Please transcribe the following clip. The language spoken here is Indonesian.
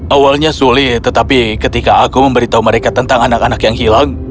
awalnya sulit tetapi ketika aku memberitahu mereka tentang anak anakku